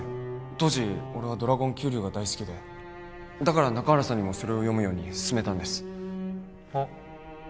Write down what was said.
当時俺はドラゴン急流が大好きでだから中原さんにもそれを読むように勧めたんですあっ